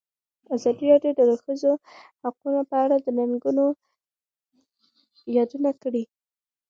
ازادي راډیو د د ښځو حقونه په اړه د ننګونو یادونه کړې.